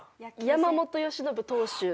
山本由伸投手。